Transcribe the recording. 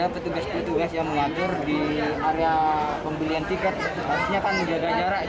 petugas petugas yang mengatur di area pembelian tiket harusnya kan menjaga jarak